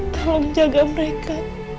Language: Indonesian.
tolong jaga mereka